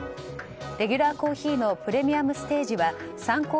レギュラーコーヒーのプレミアムステージは参考